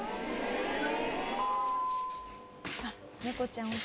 あっ猫ちゃん。